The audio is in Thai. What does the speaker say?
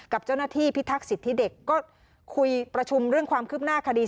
กับเจ้าหน้าที่พิทักษิทธิเด็กก็คุยประชุมเรื่องความคืบหน้าคดี